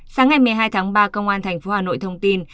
sáng ngày một mươi hai tháng ba công an tp hà nội thông tin